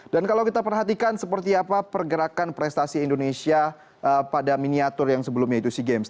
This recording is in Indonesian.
dan kalau kita perhatikan seperti apa pergerakan prestasi indonesia pada miniatur yang sebelumnya yaitu sea games